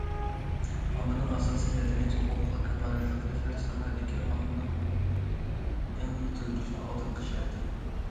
ئاممىنىڭ ئاساسىي مەدەنىيەت ھوقۇقىغا كاپالەتلىك قىلىش ھەر ساھەدىكى ئاممىنىڭ ھوقۇق ئېڭىنى يېتىلدۈرۈشنىڭ ئالدىنقى شەرتى.